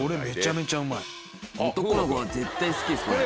男の子は絶対好きですこれ。